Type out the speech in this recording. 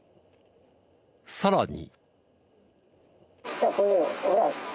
さらに。